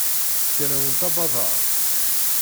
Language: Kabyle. Fkan-awent abadaṛ.